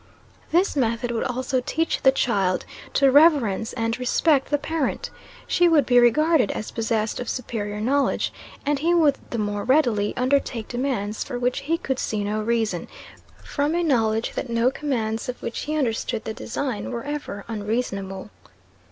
This method would also teach the child to reverence and respect the parent. She would be regarded as possessed of superior knowledge; and he would the more readily undertake demands for which he could see no reason, from a knowledge that no commands of which he understood the design were ever unreasonable.